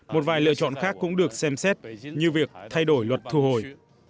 một vài lựa chọn khác cũng được xem xét như việc thay đổi luật thu hồi